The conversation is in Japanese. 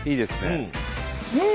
うん！